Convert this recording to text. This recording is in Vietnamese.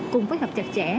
cùng phối hợp chặt chẽ